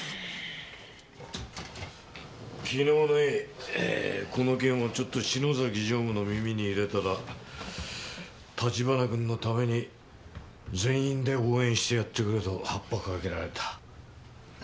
昨日ねぇこの件をちょっと篠崎常務の耳に入れたら橘君のために全員で応援してやってくれとハッパかけられた。